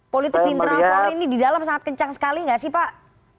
politik di internal polri ini di dalam sangat kencang sekali nggak sih pak